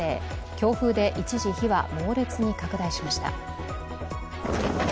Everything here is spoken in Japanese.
強風で一時、火は猛烈に拡大しました。